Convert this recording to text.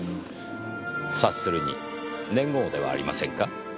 察するに年号ではありませんか？